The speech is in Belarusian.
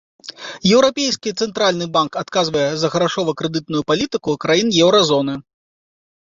Еўрапейскі цэнтральны банк адказвае за грашова-крэдытную палітыку краін еўразоны.